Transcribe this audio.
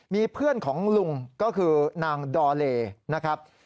มีเพื่อนของลุงก็คือนางดอเลนะครับ